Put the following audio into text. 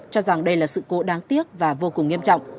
cho rằng đây là sự cố đáng tiếc và vô cùng nghiêm trọng